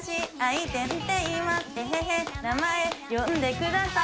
えへへ、名前呼んでください。